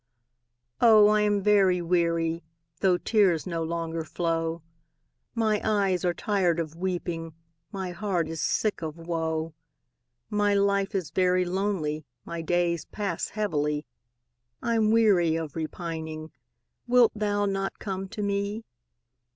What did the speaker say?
Oh, I am very weary, Though tears no longer flow; My eyes are tired of weeping, My heart is sick of woe; My life is very lonely My days pass heavily, I'm weary of repining; Wilt thou not come to me?